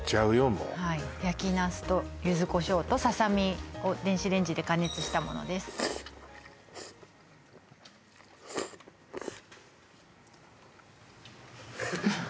もうはい焼きナスと柚子胡椒とささみを電子レンジで加熱したものですうん